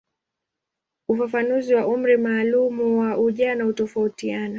Ufafanuzi wa umri maalumu wa ujana hutofautiana.